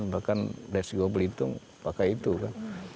bahkan let's go melitung pakai itu kan